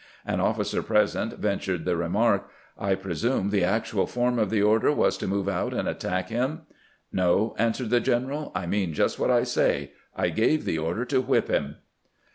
An officer present ventured the remark :" I presume the actual form of the order was to move out and attack him." " No," answered the general ;" I mean just what I say : I gave the order to whip him."